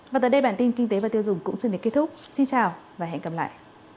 và tới đây bản tin kinh tế và tiêu dùng cũng xin để kết thúc xin chào và hẹn gặp lại